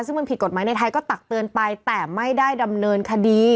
ซึ่งมันผิดกฎหมายในไทยก็ตักเตือนไปแต่ไม่ได้ดำเนินคดี